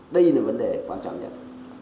đây là vấn đề quan trọng nhất